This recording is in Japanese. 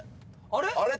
あれ？